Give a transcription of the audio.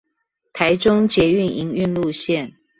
臺中捷運營運路線